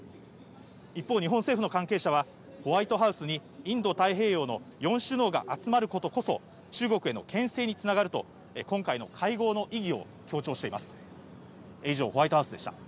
一方、日本政府の関係者は、ホワイトハウスにインド太平洋の４首脳が集まることこそ、中国へのけん制につながると、今回の会合の意義を強調しています。